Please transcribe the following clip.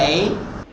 cái ngày đầu tiên